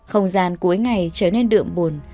không gian cuối ngày trở nên đượm buồn